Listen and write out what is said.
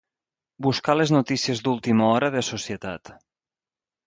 Buscar les notícies d'última hora de societat.